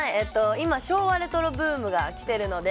今、昭和レトロブームがきているので。